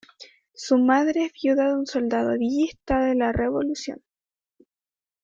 Su madre es viuda de un soldado villista de la Revolución.